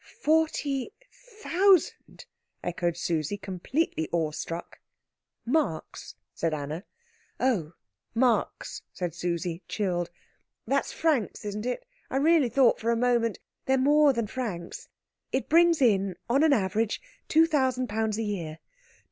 "Forty thousand!" echoed Susie, completely awestruck. "Marks," said Anna. "Oh, marks," said Susie, chilled. "That's francs, isn't it? I really thought for a moment " "They're more than francs. It brings in, on an average, two thousand pounds a year.